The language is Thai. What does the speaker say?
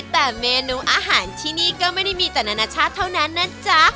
แต่เมนูอาหารที่นี่ก็ไม่ได้มีแต่นานาชาติเท่านั้นนะจ๊ะ